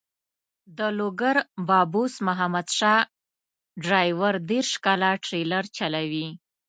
د لوګر بابوس محمد شاه ډریور دېرش کاله ټریلر چلوي.